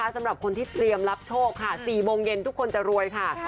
สำหรับคนที่เตรียมรับโชคค่ะ๔โมงเย็นทุกคนจะรวยค่ะ